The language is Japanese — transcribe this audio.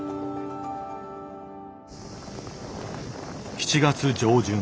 ７月上旬。